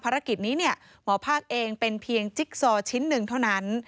ภารกิจนี้หมอภาคเองเป็นเพียงจิ๊กซอชิ้นหนึ่งเท่านั้น